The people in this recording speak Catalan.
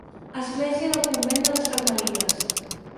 Església del Convent de les Carmelites.